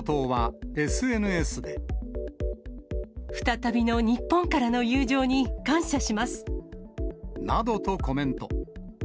再びの日本からの友情に感謝などとコメント。